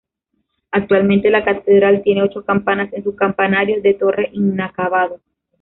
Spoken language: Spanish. Actualmente la catedral tiene ocho campanas en su campanario de torre inacabado.